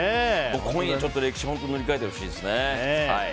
今夜ちょっと歴史塗り替えてほしいですね。